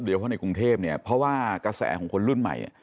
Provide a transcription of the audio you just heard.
เพราะในกรุงเทพเนี่ยเพราะว่ากระแสของคนรุ่นใหม่